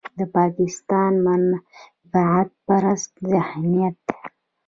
د پاکستان منفعت پرست ذهنيت.